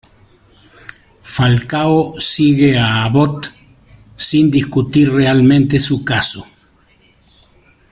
Falcao sigue a Abbott sin discutir realmente su caso.